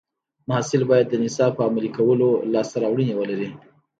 محصل باید د نصاب په عملي کولو لاسته راوړنې ولري.